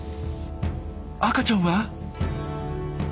赤ちゃんは？